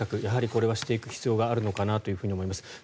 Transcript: やはりこれはしていく必要があるのかなと思います。